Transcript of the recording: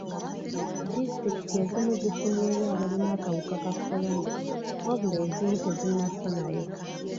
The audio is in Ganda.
Disitulikiti ezimu zifunyeeyo abalina akawuka ka kolona wabula ezimu tezinnafunayo.